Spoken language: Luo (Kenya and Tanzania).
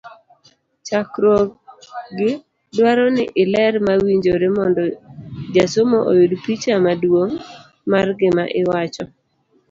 chakruogi dwaro ni iler mawinjore mondo jasomo oyud picha maduong' mar gima iwacho.